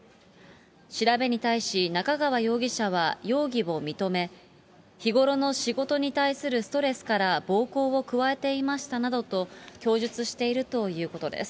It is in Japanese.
調べに対し、中川容疑者は容疑を認め、日頃の仕事に対するストレスから暴行を加えていましたなどと供述しているということです。